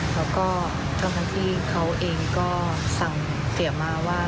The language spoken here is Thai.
แล้วก็ทั้งที่เขาเองก็สั่งเสียมาว่า